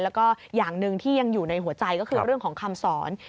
แล้วก็อย่างหนึ่งที่ยังอยู่ในหัวใจก็คือเรื่องของคำสอน